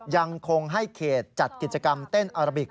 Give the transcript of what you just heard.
ยังคงให้เขตจัดกิจกรรมเต้นอาราบิก